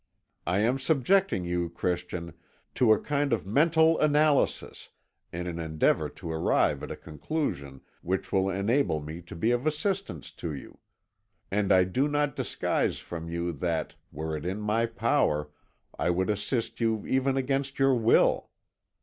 I am subjecting you, Christian, to a kind of mental analysis, in an endeavour to arrive at a conclusion which will enable me to be of assistance to you. And I do not disguise from you that, were it in my power, I would assist you even against your will.